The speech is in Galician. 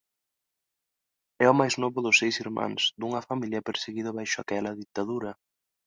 É o máis novo dos seis irmáns dunha familia perseguida baixo aquela ditadura.